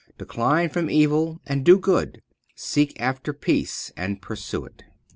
Decline from evil, and do good; seek after peace and pursue it."